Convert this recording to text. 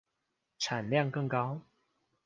產量更高